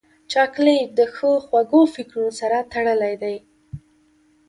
چاکلېټ د ښو خوږو فکرونو سره تړلی دی.